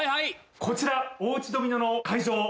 こちらおうちドミノの会場